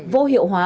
vô hiệu hóa